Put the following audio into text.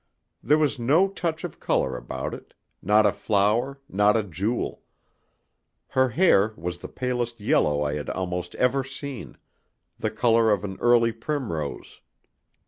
There was no touch of colour about it not a flower, not a jewel. Her hair was the palest yellow I had almost ever seen the colour of an early primrose.